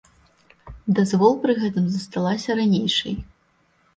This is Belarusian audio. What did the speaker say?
Дазвол пры гэтым засталася ранейшай.